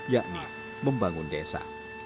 yakni membangun desa